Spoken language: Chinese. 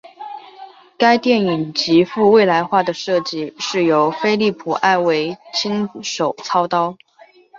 该电影极富未来化的设计是由菲利普埃维亲手操刀。